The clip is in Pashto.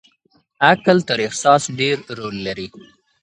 عقل تر احساس ډېر رول لري.